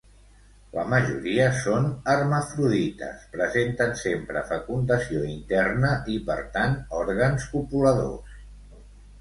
La majoria són hermafrodites, presenten sempre fecundació interna i, per tant òrgans copuladors.